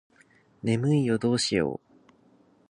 眠いよどうしよう